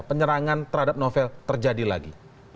penyerangan terhadap novel terjadi lagi